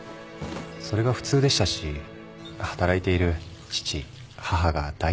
それが普通でしたし働いている父母が大好きでした。